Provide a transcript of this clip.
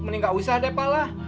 mendingan gak usah deh pak lah